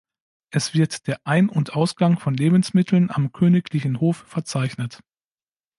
Es wird der Ein- und Ausgang von Lebensmitteln am königlichen Hof verzeichnet.